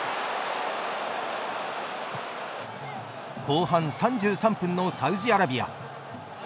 後半３３分のサウジアラビア。